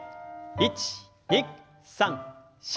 １２３４。